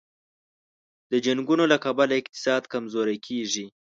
د جنګونو له کبله اقتصاد کمزوری کېږي.